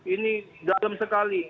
ini dalam sekali